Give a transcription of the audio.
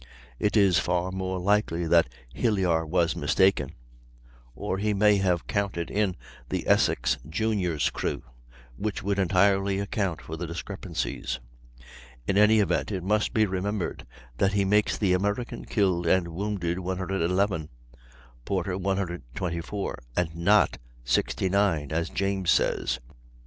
It is far more likely that Hilyar was mistaken; or he may have counted in the Essex Junior's crew, which would entirely account for the discrepancies. In any event it must be remembered that he makes the American killed and wounded 111 (Porter, 124), and not 69, as James says.